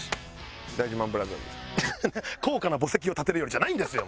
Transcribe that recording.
「高価な墓石を建てるより」じゃないんですよ。